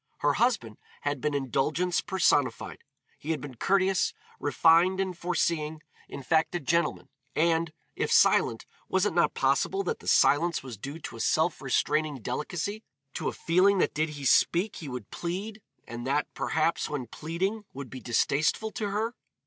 Her husband had been indulgence personified. He had been courteous, refined and foreseeing, in fact a gentleman, and, if silent, was it not possible that the silence was due to a self restraining delicacy, to a feeling that did he speak he would plead, and that, perhaps, when pleading would be distasteful to her?